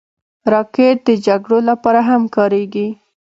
راکټ د جګړو لپاره هم کارېږي